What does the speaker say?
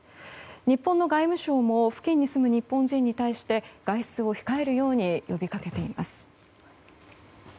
日本の外務省も付近に住む日本人に対して外出を控えるように呼び掛けています。